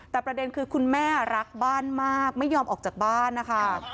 แต่ประเด็นคือคุณแม่รักบ้านมากไม่ยอมออกจากบ้านนะคะ